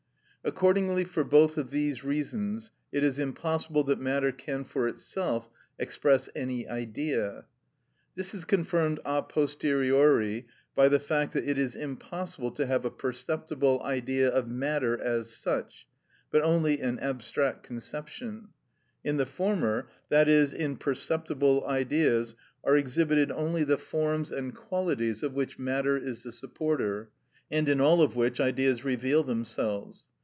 Accordingly for both of these reasons it is impossible that matter can for itself express any Idea. This is confirmed a posteriori by the fact that it is impossible to have a perceptible idea of matter as such, but only an abstract conception; in the former, i.e., in perceptible ideas are exhibited only the forms and qualities of which matter is the supporter, and in all of which Ideas reveal themselves.